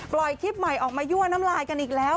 ปล่อยคลิปใหม่ออกมายั่วน้ำลายกันอีกแล้ว